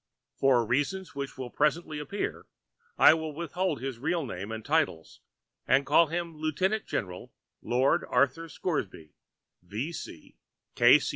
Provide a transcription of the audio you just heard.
For reasons which will presently appear, I will withhold his real name and titles, and call him Lieutenant General Lord Arthur Scoresby, V.